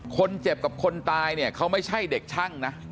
คนเจ็บกับคนตายเนี่ยเขาไม่ใช่เด็กช่างนะ